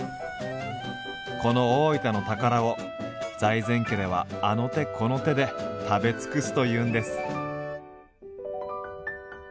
この大分の宝を財前家ではあの手この手で食べ尽くすというんです。